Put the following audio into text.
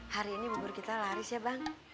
hari ini bubur kita laris ya bang